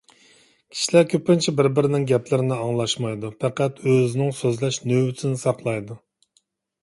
كىشىلەر كۆپىنچە بىر-بىرىنىڭ گەپلىرىنى ئاڭلاشمايدۇ، پەقەت ئۆزىنىڭ سۆزلەش نۆۋىتىنى ساقلايدۇ.